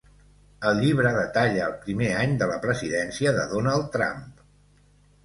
El llibre detalla el primer any de la presidència de Donald Trump.